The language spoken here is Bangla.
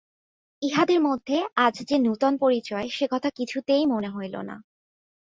ইহাদের মধ্যে আজ যে নূতন পরিচয় সে কথা কিছুতেই মনে হইল না।